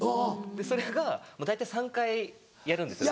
それが大体３回やるんですよ